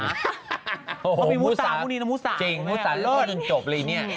มันเป็นมุสามูนีนมุสาจริงมุสาแล้วก็จนจบเลยเนี่ย